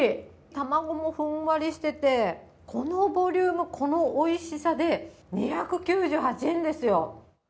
卵もふんわりしてて、このボリューム、このおいしさで２９８円ですよ。